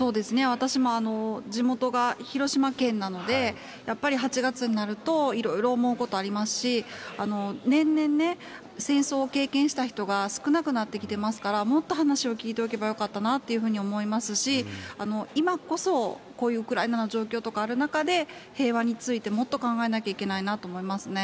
私も地元が広島県なので、やっぱり８月になると、いろいろ思うことありますし、年々ね、戦争を経験した人が少なくなってきてますから、もっと話を聞いておけばよかったなというふうに思いますし、今こそ、こういうウクライナの状況とかある中で、平和についてもっと考えなきゃいけないなと思いますね。